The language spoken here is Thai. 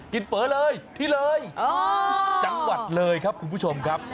เฝอเลยที่เลยจังหวัดเลยครับคุณผู้ชมครับ